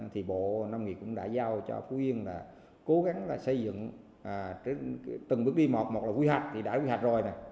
thì bộ nông nghiệp cũng đã giao cho phú yên là cố gắng là xây dựng từng bước đi một một là quy hoạch thì đã quy hoạch rồi